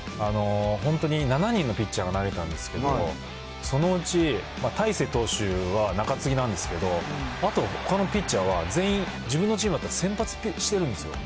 本当に７人のピッチャーが投げたんですけど、そのうち大勢投手は中継ぎなんですけど、あと、ほかのピッチャーは全員自分のチームだったら、先発してるんですよ。